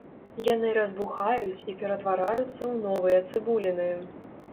Яны разбухаюць і ператвараюцца ў новыя цыбуліны.